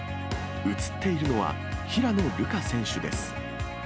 写っているのは、平野流佳選手です。